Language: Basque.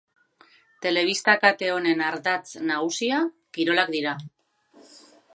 Telebista kate honen ardatz nagusia kirolak dira.